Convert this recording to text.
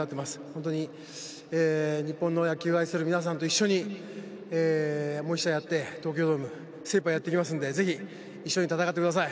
本当に日本の野球を愛する皆さんと一緒にもう１試合やって、東京ドーム精一杯やってきますのでぜひ、一緒に戦ってください。